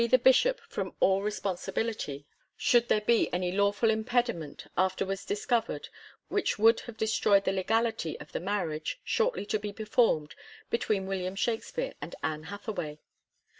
t6 SHAKSPERE'S MARRIAGE bility should there be any lawful impediment after wards discoverd which would have destroyd the legality of the marriage, shortly to be performd, between William Shakspere and Anne Hathaway.